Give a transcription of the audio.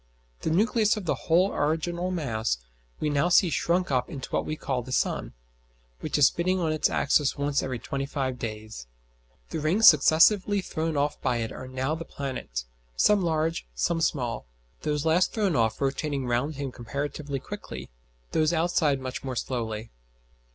The nucleus of the whole original mass we now see shrunk up into what we call the sun, which is spinning on its axis once every twenty five days. The rings successively thrown off by it are now the planets some large, some small those last thrown off rotating round him comparatively quickly, those outside much more slowly.